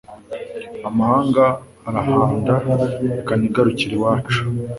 Amahanga arahanda reka nigarukire iwacu